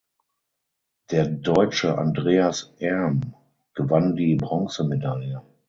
Der Deutsche Andreas Erm gewann die Bronzemedaille.